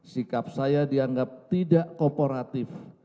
sikap saya dianggap tidak kooperatif